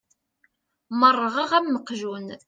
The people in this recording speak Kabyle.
Merrɣeɣ am uqjun.